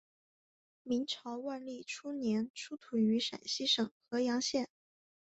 明朝万历初年出土于陕西省郃阳县。